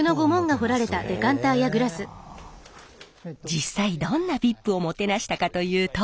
実際どんなＶＩＰをもてなしたかというと。